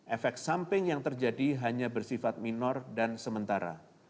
efek samping yang terjadi hanya bersifat minor dan sementara